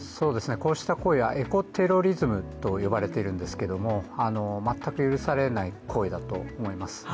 こうした行為はエコテロリズムと呼ばれているんですけれども全く許されない行為だと思います。